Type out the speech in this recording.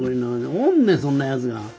おんねんそんなやつが。